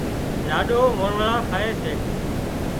لاڏِو وانۯا کائي سي